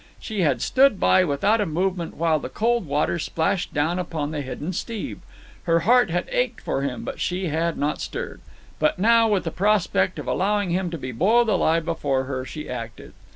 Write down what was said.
She had stood by without a movement while the cold water splashed down upon the hidden Steve. Her heart had ached for him, but she had not stirred. But now, with the prospect of allowing him to be boiled alive before her, she acted.